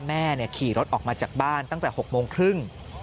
แม่ขี่รถออกมาจากบ้านตั้งแต่๖โมงครึ่ง